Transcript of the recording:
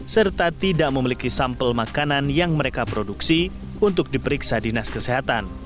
serta tidak memiliki sampel makanan yang mereka produksi untuk diperiksa dinas kesehatan